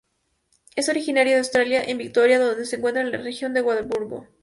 Es originaria de Australia en Victoria, donde se encuentra en la región de Warburton.